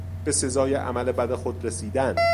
به سزای عمل بد خود رسیدن